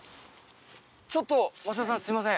ちょっと嶋さんすいません